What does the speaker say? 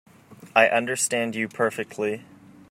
I understand you perfectly.